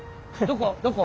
どこ？